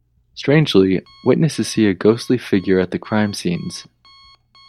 Strangely, witnesses see a ghostly figure at the crime scenes.